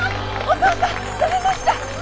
おとうさん乗れました！